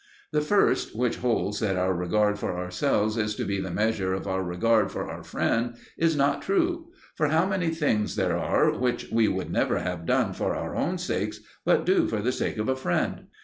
The first, which holds that our regard for ourselves is to be the measure of our regard for our friend, is not true; for how many things there are which we would never have done for our own sakes, but do for the sake of a friend!